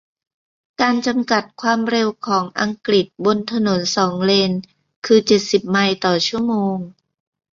การ จำกัด ความเร็วของอังกฤษบนถนนสองเลนคือเจ็ดสิบไมล์ต่อชั่วโมง